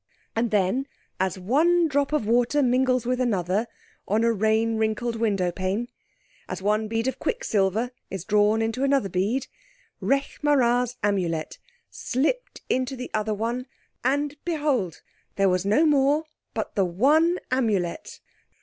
And then, as one drop of water mingles with another on a rain wrinkled window pane, as one bead of quick silver is drawn into another bead, Rekh marā's Amulet slipped into the other one, and, behold! there was no more but the one Amulet!